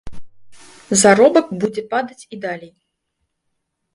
Заробак будзе падаць і далей.